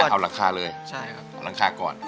อันดับนี้เป็นแบบนี้